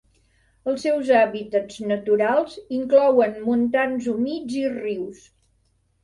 Els seus hàbitats naturals inclouen montans humits i rius.